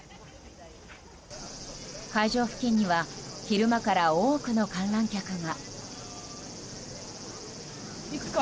会場付近には昼間から多くの観覧客が。